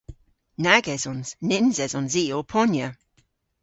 Nag esons. Nyns esons i ow ponya.